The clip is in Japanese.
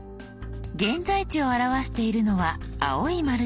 「現在地」を表しているのは青い丸印。